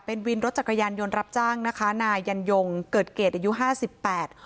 เป็นวินรถจักรยานยนต์รับจ้างนะคะนายยันยงเกิดเกรดอายุห้าสิบแปด